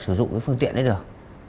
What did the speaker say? sử dụng cái phương tiện đấy được